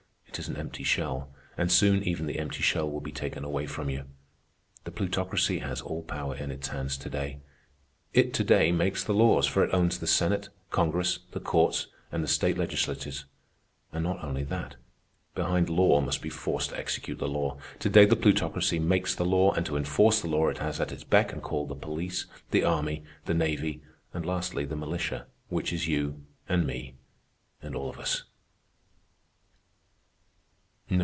It is an empty shell, and soon even the empty shell will be taken away from you. The Plutocracy has all power in its hands to day. It to day makes the laws, for it owns the Senate, Congress, the courts, and the state legislatures. And not only that. Behind law must be force to execute the law. To day the Plutocracy makes the law, and to enforce the law it has at its beck and call the police, the army, the navy, and, lastly, the militia, which is you, and me, and all of us."